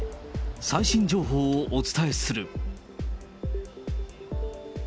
最新情報をお伝えする。